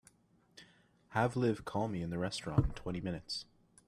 Have Liv call me in the restaurant in twenty minutes.